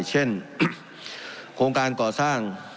เช่นโครงการก่อสร้าง